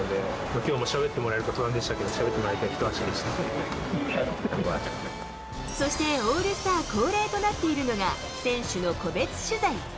きょうもしゃべってもらえるか不安でしたけど、そして、オールスター恒例となっているのが、選手の個別取材。